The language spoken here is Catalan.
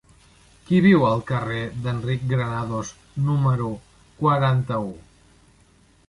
Qui viu al carrer d'Enric Granados número quaranta-u?